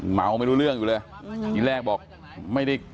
เมาไม่รู้เรื่องอยู่เลยทีแรกบอกไม่ได้